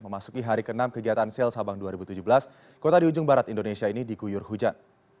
memasuki hari ke enam kegiatan sel sabang dua ribu tujuh belas kota di ujung barat indonesia ini diguyur hujan